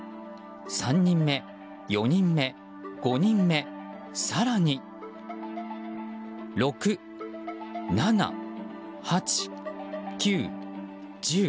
３人目、４人目、５人目、更に６、７、８、９、１０。